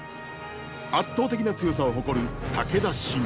圧倒的な強さを誇る武田信玄。